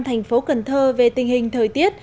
thành phố cần thơ về tình hình thời tiết